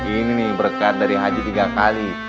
ini nih berkat dari haji tiga kali